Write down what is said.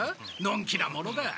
のんきなものだ。